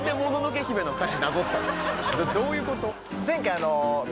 どういうこと？